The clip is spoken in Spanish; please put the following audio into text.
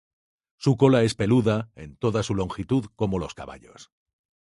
Su cola es peluda en toda su longitud como los caballos.